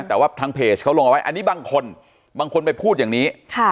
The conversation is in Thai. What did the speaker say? แต่ว่าทางเพจเขาลงเอาไว้อันนี้บางคนบางคนไปพูดอย่างนี้